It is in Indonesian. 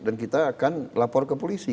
dan kita akan lapor ke polisi